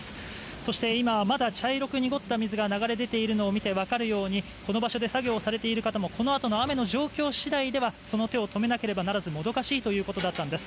そして今、まだ茶色く濁った水が流れ出ているのを見て分かるようにこの場所で作業されている方もこのあとの雨の状況次第ではその手を止めなければならずもどかしいということだったんです。